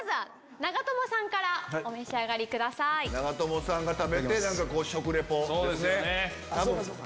長友さんが食べて食リポですよね。